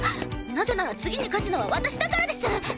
なぜなら次に勝つのは私だからです！